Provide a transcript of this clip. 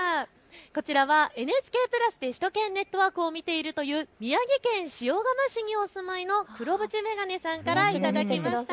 こちらはＮＨＫプラスで首都圏ネットワークを見ているという宮城県塩釜市にお住まいの黒ブチ☆メガネさんから頂きました。